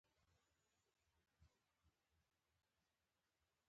غرب د پاکستان له لارې د روسي حماقتونو پرضد جګړه پيل کړه.